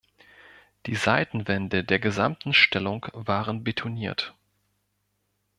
Die Seitenwände der gesamten Stellung waren betoniert.